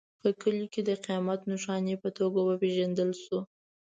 په کلیو کې د قیامت نښانې په توګه وپېژندل شو.